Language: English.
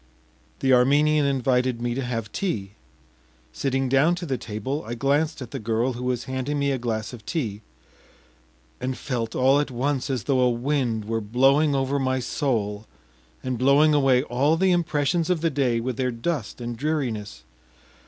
The Armenian invited me to have tea. Sitting down to the table, I glanced at the girl, who was handing me a glass of tea, and felt all at once as though a wind were blowing over my soul and blowing away all the impressions of the day with their dust and dreariness.